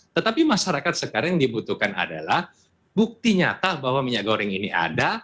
tetapi masyarakat sekarang yang dibutuhkan adalah bukti nyata bahwa minyak goreng ini ada